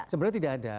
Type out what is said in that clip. sebenarnya tidak ada